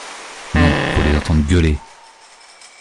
Non, faut les entendre gueuler!